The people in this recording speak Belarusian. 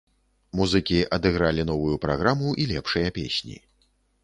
Музыкі адыгралі новую праграму і лепшыя песні.